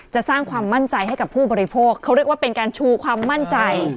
จะสร้างความมั่นใจให้กับผู้บริโภคเขาเรียกว่าเป็นการชูความมั่นใจ